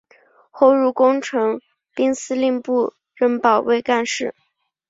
后入工程兵司令部任保卫干事。